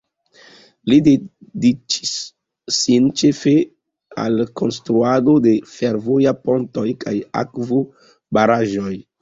Li dediĉis sin ĉefe al konstruado de fervojaj pontoj kaj akvobaraĵoj.